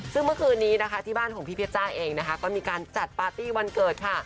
ซึ่งเมื่อคืนนี้นะคะที่บ้านของพี่เพชจ้าเองนะคะก็มีการจัดปาร์ตี้วันเกิดค่ะ